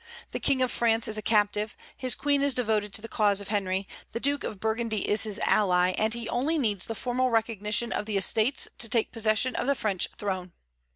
The King of France is a captive; his Queen is devoted to the cause of Henry, the Duke of Burgundy is his ally, and he only needs the formal recognition of the Estates to take possession of the French throne.